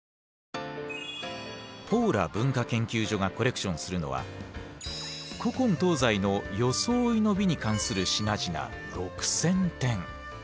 ポーラ文化研究所がコレクションするのはに関する品々６，０００点。